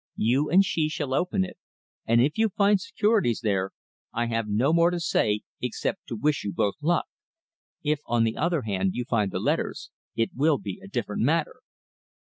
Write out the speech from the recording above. You and she shall open it, and if you find securities there I have no more to say, except to wish you both luck. If, on the other hand, you find the letters, it will be a different matter."